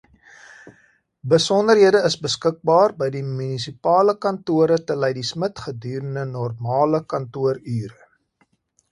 Besonderhede is beskikbaar by die Munisipale Kantore te Ladismith gedurende normale kantoorure.